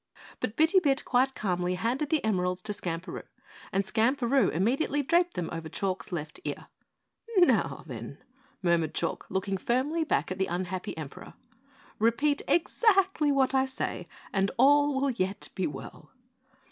But Bitty Bit quite calmly handed the emeralds to Skamperoo, and Skamperoo immediately draped them over Chalk's left ear. "Now, then," murmured Chalk, looking firmly back at the unhappy Emperor, "repeat exactly what I say and all will yet be well."